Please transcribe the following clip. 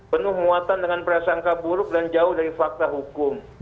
penuh muatan dengan prasangka buruk dan jauh dari fakta hukum